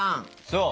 そう。